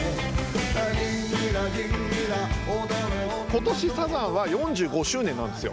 今年サザンは４５周年なんですよ。